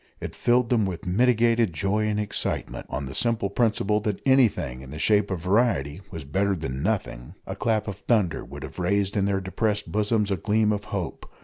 It filled them with mitigated joy and excitement, on the simple principle that anything in the shape of variety was better than nothing. A clap of thunder would have raised in their depressed bosoms a gleam of hope.